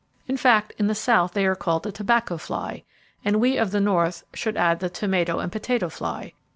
In fact, in the south they are called the 'Tobacco Fly'; and we of the north should add the 'Tomato and Potato Fly.'